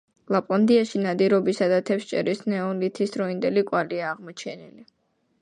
ლაპლანდიაში ნადირობისა და თევზჭერის ნეოლითის დროინდელი კვალია აღმოჩენილი.